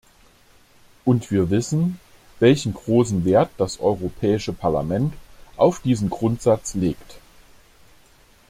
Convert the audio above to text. Und wir wissen, welch großen Wert das Europäische Parlament auf diesen Grundsatz legt.